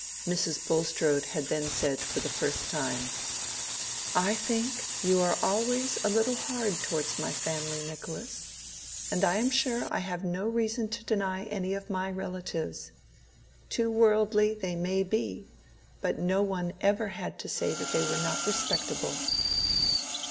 Mrs. Bulstrode had then said for the first time, "I think you are always a little hard towards my family, Nicholas. And I am sure I have no reason to deny any of my relatives. Too worldly they may be, but no one ever had to say that they were not respectable."